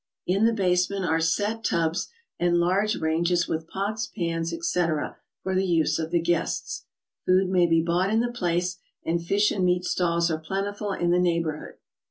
In the basement are set tubs, and large ranges with pans, pots, etc., for the use of the guests. Food may be bought in the place, and fish and meat stalls are plentiful in the neighborhood.